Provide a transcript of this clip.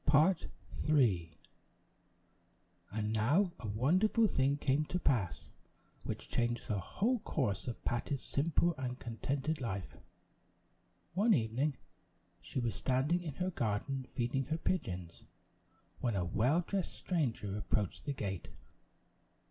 The Well dressed Stranger And now, a wonderful thing came to pass, which changed the whole course of Patty's simple and contented life. One evening, she was standing in her garden, feeding her pigeons, when a well dressed stranger approached the gate.